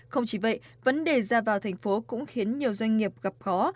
không chỉ vậy vấn đề ra vào thành phố cũng khiến nhiều doanh nghiệp gặp khó